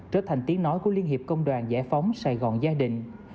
trở thành tiếng nói của liên hiệp công đoàn giải phóng sài gòn gia đình